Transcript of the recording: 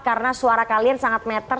karena suara kalian sangat meter